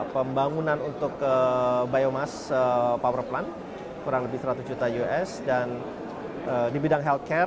pembangunan delapan jasa kesehatan